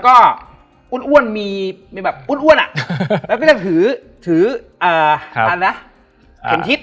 ก็อุ้นมีแบบอุ้นอ่ะแล้วก็จะถืออ่าปันทิศ